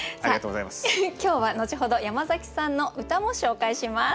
今日は後ほど山崎さんの歌も紹介します。